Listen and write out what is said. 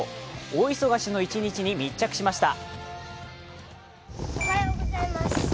大忙しの一日に密着しました。